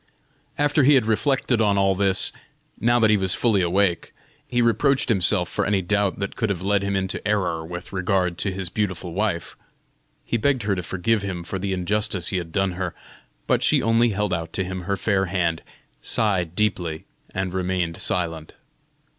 After he had reflected on all this, now that he was fully awake, he reproached himself for any doubt that could have led him into error with regard to his beautiful wife. He begged her to forgive him for the injustice he had done her, but she only held out to him her fair hand, sighed deeply, and remained silent.